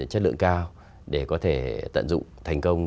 chất lượng cao để có thể tận dụng thành công